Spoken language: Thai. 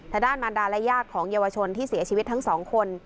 ทดาสมารดาระยากของเยาวชนที่เสียชีวิตทั้ง๒คน